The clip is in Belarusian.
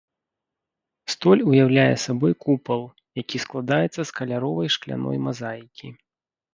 Столь уяўляе сабой купал, які складаецца з каляровай шкляной мазаікі.